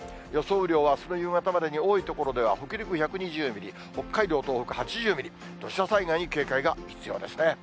雨量はあすの夕方までに多い所では北陸１２０ミリ、北海道、東北８０ミリ、土砂災害に警戒が必要ですね。